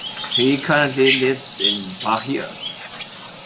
He currently lives in Bahia.